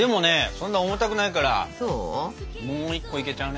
そんな重たくないからもう一個いけちゃうね。